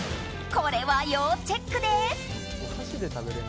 これは要チェックです。